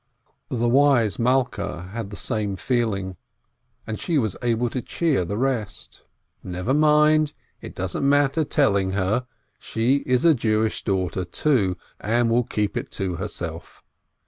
The wise Malkeh had the same feeling, but she was able to cheer the rest. Never mind ! It doesn't matter telling her. She is a Jewish daughter, too, and will keep it to herself.